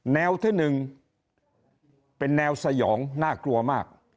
แนวที่๑เป็นแนวสยองน่ากลัวมาก